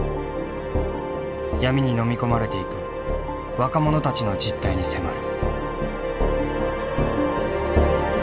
闇にのみ込まれていく若者たちの実態に迫る。